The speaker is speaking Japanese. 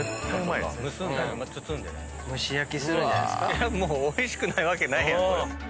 いやもうおいしくないわけないやんこれ。